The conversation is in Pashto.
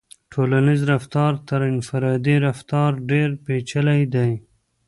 ټولنیز رفتار تر انفرادي رفتار ډېر پیچلی دی.